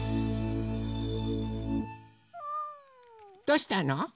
どうしたの？